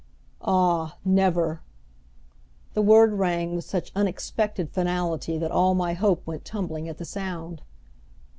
"Ah, never!" The word rang with such unexpected finality that all my hope went tumbling at the sound.